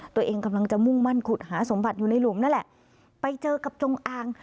ตัวเองกำลังจะมุ่งมั่นขุดหาสมบัติอยู่ในหลุมนั่นแหละไปเจอกับจงอาง